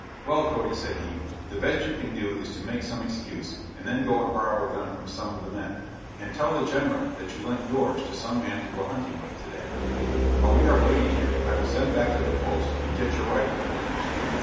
"Well, Cody," said he, "the best you can do is to make some excuse, and then go and borrow a gun from some of the men, and tell the General that you lent yours to some man to go hunting with to day. While we are waiting here, I will send back to the post and get your rifle for you."